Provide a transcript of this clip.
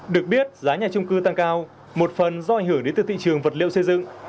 được biết giá nhà trung cư tăng cao một phần do ảnh hưởng đến từ thị trường vật liệu xây dựng